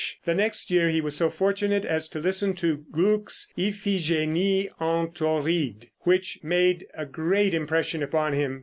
The next year he was so fortunate as to listen to Gluck's "Iphigenie en Tauride," which made a great impression upon him.